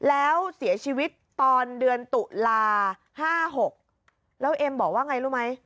แล้วเสียชีวิตตอนเดือนตุลา๕๖แล้วเอ็มบอกว่าไงรู้ไหม